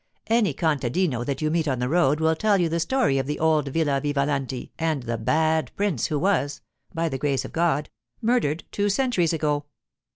Any contadino that you meet on the road will tell you the story of the old Villa Vivalanti and the 'Bad Prince' who was (by the grace of God) murdered two centuries ago.